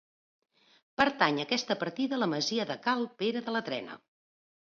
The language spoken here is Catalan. Pertany a aquesta partida la masia de Cal Pere de la Trena.